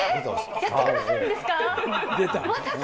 やってくださるんですか？